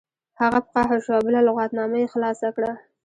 هغه په قهر شو او بله لغتنامه یې خلاصه کړه